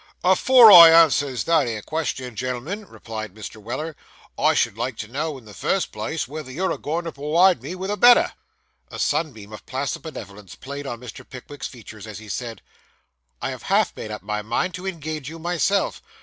'Afore I answers that 'ere question, gen'l'm'n,' replied Mr. Weller, 'I should like to know, in the first place, whether you're a goin' to purwide me with a better?' A sunbeam of placid benevolence played on Mr. Pickwick's features as he said, 'I have half made up my mind to engage you myself.